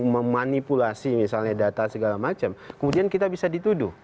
memanipulasi misalnya data segala macam kemudian kita bisa dituduh